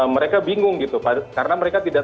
mereka bingung gitu karena mereka tidak